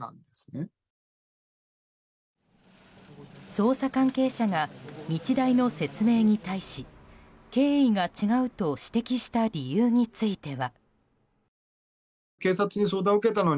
捜査関係者が日大の説明に対し経緯が違うと指摘した理由については。